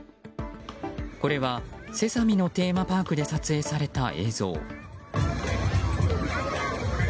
これは「セサミ」のテーマパークで撮影された映像。